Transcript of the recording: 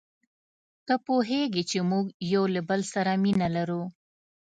ته پوهیږې چي موږ یو له بل سره مینه لرو.